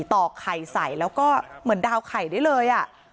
ต่อไข่ใส่แล้วก็เหมือนดาวไข่ได้เลย